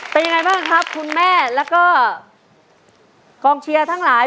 เป็นยังไงบ้างครับคุณแม่แล้วก็กองเชียร์ทั้งหลาย